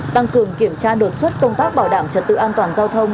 tăng cường kiểm tra đột xuất công tác bảo đảm trật tự an toàn giao thông